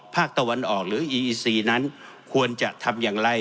ภาคตะวันออกหรืออีอีซีนั้นควรจะทำอย่างไร